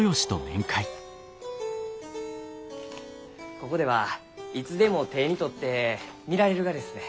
ここではいつでも手に取って見られるがですね。